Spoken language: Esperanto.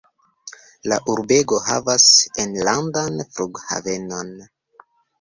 La urbego havas enlandan flughavenon.